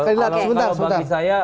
kalau bagi saya